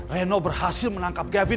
reno berhasil menangkap gavin